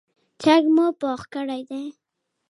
چرګ مو پوخ کړی،